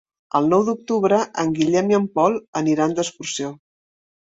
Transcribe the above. El nou d'octubre en Guillem i en Pol aniran d'excursió.